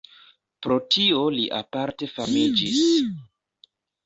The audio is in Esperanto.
Pro tio li aparte famiĝis.